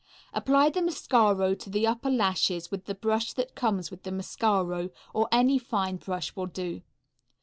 Apply the mascaro to the upper lashes with the brush that comes with the mascaro, or any fine brush will do.